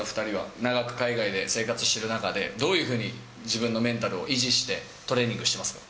長く海外で生活している中で、どういうふうに自分のメンタルを維持して、トレーニングしてます